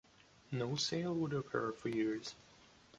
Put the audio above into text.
No sale would occur for years.